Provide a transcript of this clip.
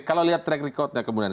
kalau lihat track recordnya kemudian